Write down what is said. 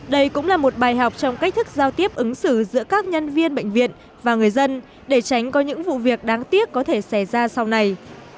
đây cũng là một bài học trong cách thức giao tiếp ứng xử giữa các nhân viên bệnh viện và người dân để tránh có những vụ việc đáng tiếc có thể xảy ra sau này